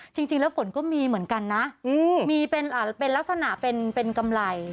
จริงแล้วฝนก็มีเหมือนกันนะมีเป็นลักษณะเป็นกำไร